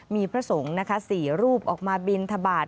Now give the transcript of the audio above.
มีพระสงฆ์นะคะ๔รูปออกมาบินทบาท